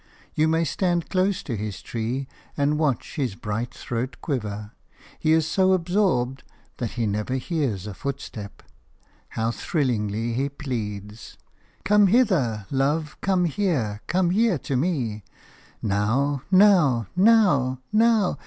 You may stand close to his tree and watch his bright throat quiver; he is so absorbed that he never hears a footstep. How thrillingly he pleads:– "Come hither, love, come here, come here to me! Now, now, now, now!